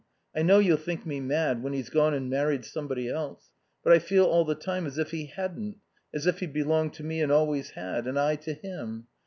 I know you'll think me mad, when he's gone and married somebody else, but I feel all the time as if he hadn't, as if he belonged to me and always had; and I to him.